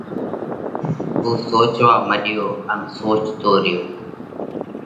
اُو سوچوا مڏيو ان سوچتو ريو۔